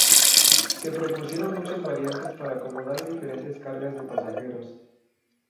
Se propusieron muchas variantes para acomodar diferentes cargas de pasajeros.